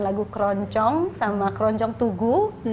lagu keroncong sama keroncong tugu